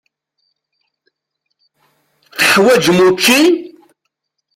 Teḥwaǧem učči?